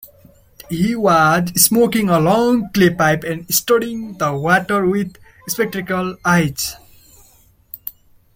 He was smoking a long clay pipe and studying the water with spectacled eyes.